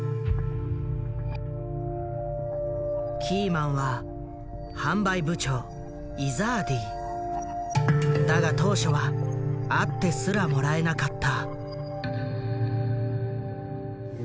キーマンはだが当初は会ってすらもらえなかった。